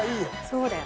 そうだよ。